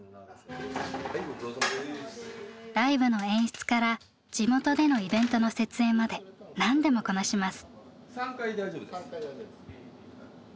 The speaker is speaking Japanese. ライブの演出から地元でのイベントの設営まで何でもこなします。